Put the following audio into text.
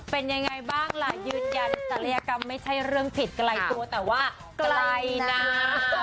เป็นยังไงบ้างล่ะยืนยันศัลยกรรมไม่ใช่เรื่องผิดไกลตัวแต่ว่าไกลนะ